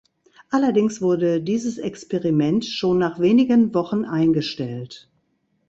Allerdings wurde dieses Experiment schon nach wenigen Wochen eingestellt.